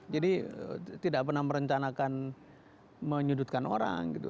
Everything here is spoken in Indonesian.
tidak pernah merencanakan menyudutkan orang gitu